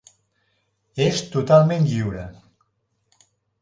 És totalment lliure.